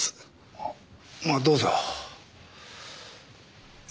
あまあどうぞ。